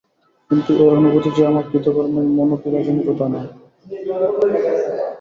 কিন্তু এ অনুভূতি যে আমার কৃতকর্মের মনোপীড়াজনিত, তা নয়।